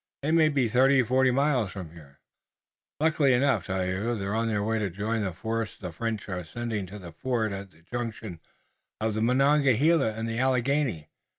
They may be thirty, forty miles from here." "Likely enough, Tayoga. They're on their way to join the force the French are sending to the fort at the junction of the Monongahela and the Alleghany.